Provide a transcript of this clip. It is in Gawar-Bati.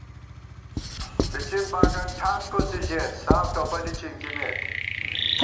فِچِن باگن ٹھان کوڅی ژېت، ساف ٹوپَلی چِنکِمېت